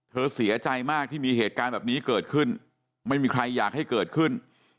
เสียใจมากที่มีเหตุการณ์แบบนี้เกิดขึ้นไม่มีใครอยากให้เกิดขึ้น